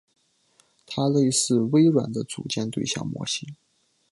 它类似微软的组件对象模型。